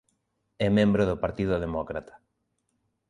É membro do Partido Demócrata.